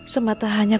terima kasih bu